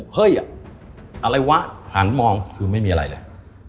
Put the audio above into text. เฮ้ยอะไรวะหันมองคือไม่มีอะไรเลย